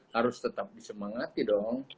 harus tetap disemangati dong